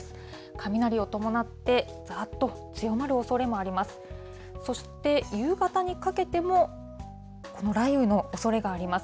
雷を伴って、ざーっと強まるおそれもあります。